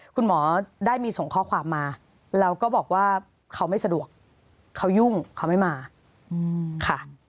คุณหมอได้มีส่งข้อความมาแล้วก็บอกว่าเขาไม่สะดวกเขายุ่งเขาไม่มาค่ะ